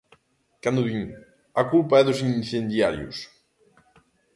Cando din: a culpa é dos incendiarios.